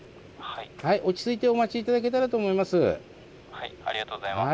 はい落ち着いてお待ち頂けたらと思います。